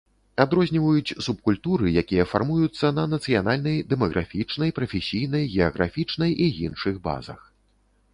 Адрозніваюць субкультуры, якія фармуюцца на нацыянальнай, дэмаграфічнай, прафесійнай, геаграфічнай і іншых базах.